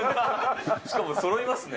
しかもそろいますね。